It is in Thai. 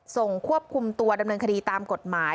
ควบคุมตัวดำเนินคดีตามกฎหมาย